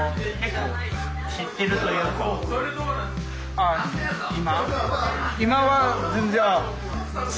ああ今？